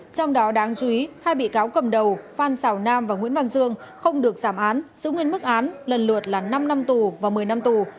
trong đó đáng chú ý hai bị cáo cầm đầu phan xào nam và nguyễn văn dương không được giảm án giữ nguyên mức án lần lượt là năm năm tù và một mươi năm tù